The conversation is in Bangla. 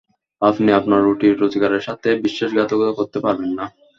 আপনি আপনার রুটি রোজগারের সাথে বিশ্বাসঘাতকতা করতে পারবেন না।